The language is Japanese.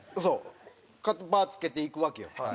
そうバーつけていくわけよ